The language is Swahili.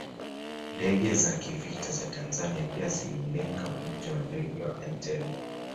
Ndege za kivita za Tanzania pia ziliulenga uwanja wa ndege wa Entebbe